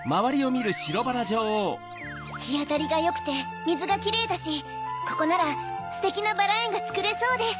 ひあたりがよくてみずがキレイだしここならステキなバラえんがつくれそうです！